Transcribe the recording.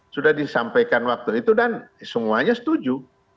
sudah disampaikan waktu itu dan semuanya setuju